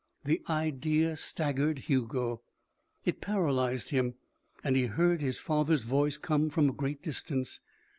The idea staggered Hugo. It paralyzed him and he heard his father's voice come from a great distance.